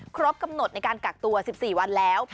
ครบกำหนดในการกักตัว๑๔วันแล้ว